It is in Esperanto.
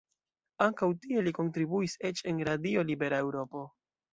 Ankaŭ tie li kontribuis, eĉ en Radio Libera Eŭropo.